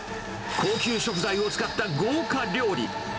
高級食材を使った豪華料理。